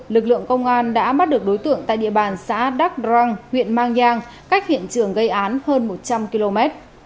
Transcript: lực lượng công an đã bắt được đối tượng tại địa bàn xã đắc răng huyện mang giang cách hiện trường gây án hơn một trăm linh km